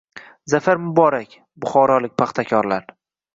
Zafar muborak, buxorolik paxtakorlarng